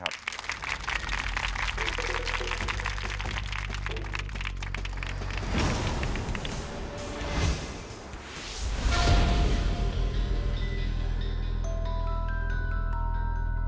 โปรดติดตามตอนต่อไป